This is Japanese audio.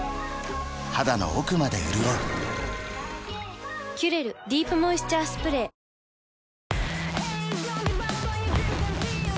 肌の奥まで潤う「キュレルディープモイスチャースプレー」まだ始めてないの？